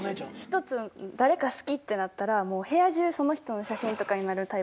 一つ誰か好きってなったらもう部屋中その人の写真とかになるタイプなんです。